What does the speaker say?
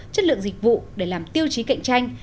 chất lượng dịch vụ để làm tiêu chí cạnh tranh